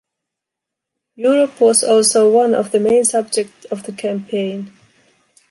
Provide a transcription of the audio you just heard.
Europe was also one of the main subject of the campaign.